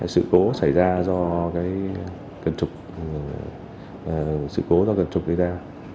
sự cố xảy ra do cái cân trục sự cố do cân trục đi ra